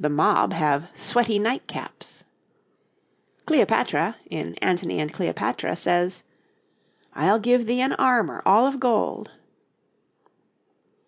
The mob have 'sweaty night caps.' Cleopatra, in 'Antony and Cleopatra,' says: 'I'll give thee an armour all of gold.'